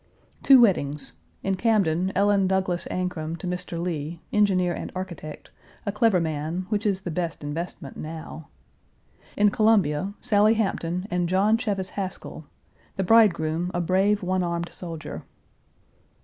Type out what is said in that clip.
Page 399 Two weddings in Camden, Ellen Douglas Ancrum to Mr. Lee, engineer and architect, a clever man, which is the best investment now. In Columbia, Sally Hampton and John Cheves Haskell, the bridegroom, a brave, one armed soldier.